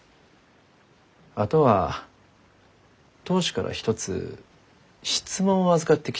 あとは当主から一つ質問を預かってきちゅうがです。